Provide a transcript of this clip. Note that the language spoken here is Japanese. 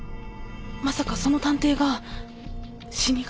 まさかその探偵が死神？